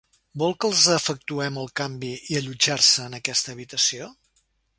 Vol que els efectuem el canvi i allotjar-se a aquesta habitació?